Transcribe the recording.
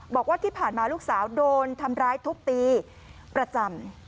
บอกว่าที่ผ่านมาลูกสาวโดนทำร้ายทุบตีประจำ